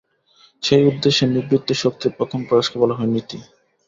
সেই উদ্দেশ্যে নিবৃত্তিশক্তির প্রথম প্রয়াসকে বলা হয় নীতি।